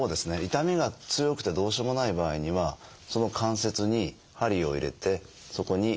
痛みが強くてどうしようもない場合にはその関節に針を入れてそこに注射をすると。